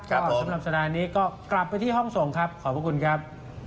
ก็ออกสำหรับสถานีก็กลับไปที่ห้องส่งครับขอบคุณครับ